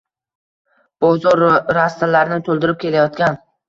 bozor rastalarini to‘ldirib kelayotgan